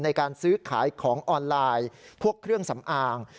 ในการซื้อขายของออนไลน์พวกเครื่องสำอาง